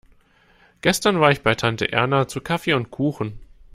Gestern war ich bei Tante Erna zu Kaffee und Kuchen.